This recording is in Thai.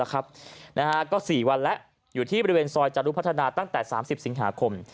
ก็๔วันแล้วอยู่ที่บริเวณซอยจรุพัฒนาตั้งแต่๓๐สิงหาคม